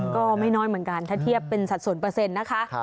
ก็ไม่น้อยเหมือนกันถ้าเทียบเป็นสัดส่วนเปอร์เซ็นต์นะคะ